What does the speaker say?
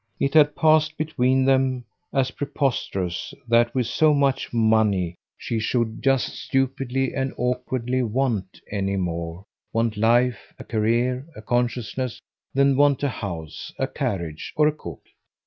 It had passed between them as preposterous that with so much money she should just stupidly and awkwardly WANT any more want a life, a career, a consciousness, than want a house, a carriage or a cook.